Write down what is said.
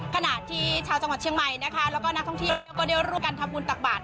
ขณะที่ชาวจังหวัดเชียงใหม่นะคะแล้วก็นักท่องเที่ยวก็ได้ร่วมกันทำบุญตักบาท